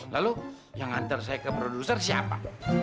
lalu yang ngantar saya ke produser siapa